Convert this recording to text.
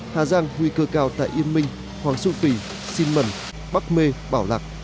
hà giang nguy cơ cao tại yên minh hoàng xu tùy xìn mần bắc mê bảo lạc